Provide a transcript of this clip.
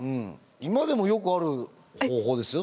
今でもよくある方法ですよ。